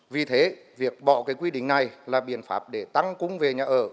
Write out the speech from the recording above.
vì thế việc bỏ cái quy định này là biện pháp để tăng cung về nhà ở